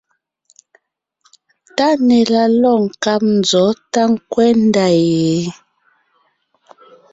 TÁNÈ la lɔ̂g nkáb nzɔ̌ tá ndɔg ńkwɛ́ ndá ye?